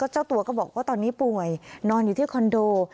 เจ้าตัวก็บอกว่าตอนนี้ป่วยนอนอยู่ที่คอนโด